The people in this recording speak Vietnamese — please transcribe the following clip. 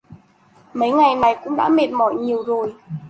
Mấy ngày nay cũng đã mệt mỏi nhiều rồi